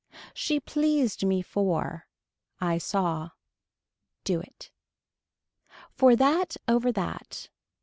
She pleased me for. Eye saw. Do it. For that over that.